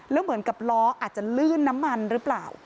แล้วเหมือนกับล้ออาจจะลื่นน้ำมันหรือเปล่า